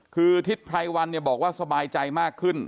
คือทิศไพรวันเนี่ยบอกว่าสบายใจมากขึ้น